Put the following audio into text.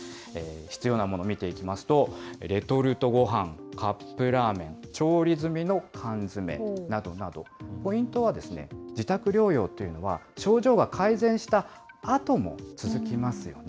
必要なもの、見ていきますと、レトルトごはん、カップラーメン、調理済みの缶詰などなど、ポイントは自宅療養というのは、症状が改善したあとも続きますよね。